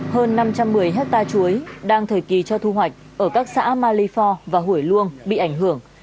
hơn năm trăm một mươi hectare chuối đang thời kỳ cho thu hoạch ở các xã malifor và hủy luông bị ảnh hưởng